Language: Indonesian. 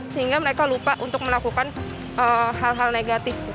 sehingga mereka lupa untuk melakukan hal hal negatif